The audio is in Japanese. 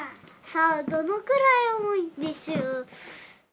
さあ、どのくらい重いでしょう！？